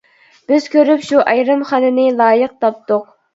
بىز كۆرۈپ شۇ ئايرىمخانىنى لايىق تاپتۇق.